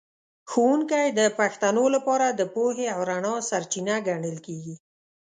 ښوونکی د پښتنو لپاره د پوهې او رڼا سرچینه ګڼل کېږي.